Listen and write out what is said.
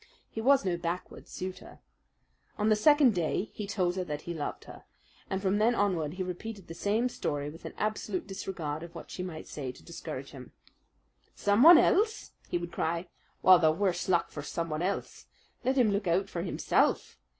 He was no backward suitor. On the second day he told her that he loved her, and from then onward he repeated the same story with an absolute disregard of what she might say to discourage him. "Someone else?" he would cry. "Well, the worse luck for someone else! Let him look out for himself!